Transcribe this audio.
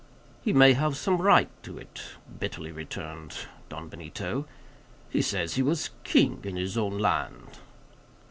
"He may have some right to it," bitterly returned Don Benito, "he says he was king in his own land."